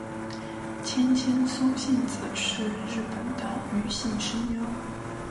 千千松幸子是日本的女性声优。